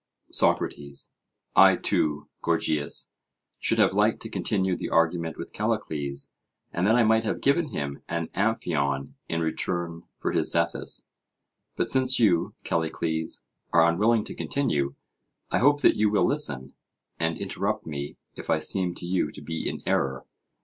SOCRATES: I too, Gorgias, should have liked to continue the argument with Callicles, and then I might have given him an "Amphion" in return for his "Zethus"; but since you, Callicles, are unwilling to continue, I hope that you will listen, and interrupt me if I seem to you to be in error.